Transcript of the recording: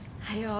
はい。